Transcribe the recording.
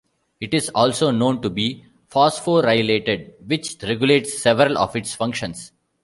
It is also known to be phosphorylated which regulates several of its functions.